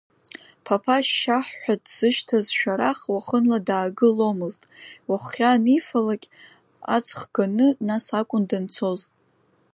Ԥаԥа Шьаҳ ҳәа дзышьҭаз Шәарах уахынла даагыломызт, уаххьа анифалакь, аҵх Ганы, нас акәын данцоз.